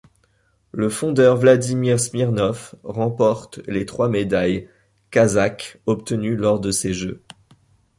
Le fondeur Vladimir Smirnov remporte les trois médailles kazakhes obtenue lors de ces Jeux.